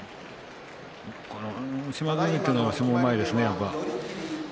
島津海というのは、うまいですね。